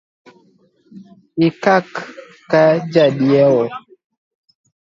Ikak ka jadiewo